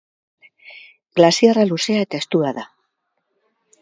Glaziarra luzea eta estua da.